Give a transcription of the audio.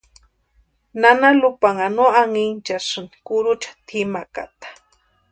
Nana Lupanha no anhinchasïni kurucha tʼimakata.